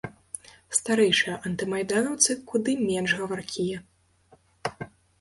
Старэйшыя антымайданаўцы куды менш гаваркія.